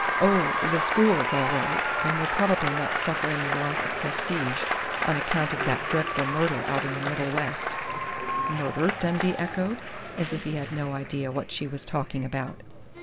Oh, the school is all right, and will probably not suffer any loss of prestige on account of that dreadful murder out in the Middle West " "Murder?" Dundee echoed, as if he had no idea what she was talking about.